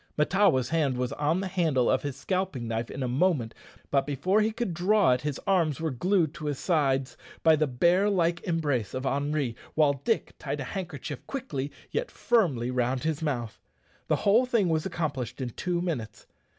Mahtawa's hand was on the handle of his scalping knife in a moment, but before he could draw it his arms were glued to his sides by the bear like embrace of Henri, while Dick tied a handkerchief quickly yet firmly round his mouth. The whole thing was accomplished in two minutes.